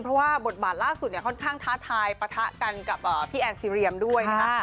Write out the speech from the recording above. เพราะว่าบทบาทล่าสุดเนี่ยค่อนข้างท้าทายปะทะกันกับพี่แอนซีเรียมด้วยนะคะ